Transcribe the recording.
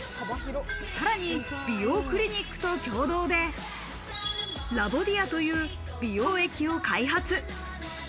さらに美容クリニックと共同でＬＡＢＯＤＩＡという美容液を開発。